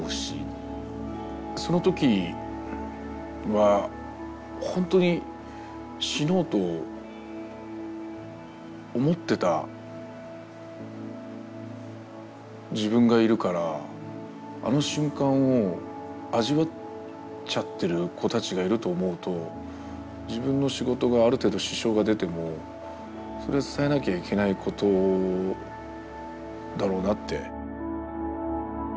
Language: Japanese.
そのときはほんとに死のうと思ってた自分がいるからあの瞬間を味わっちゃってる子たちがいると思うと自分の仕事がある程度支障が出てもそれ伝えなきゃいけないことだろうなって。